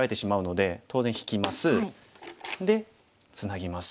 でツナぎます。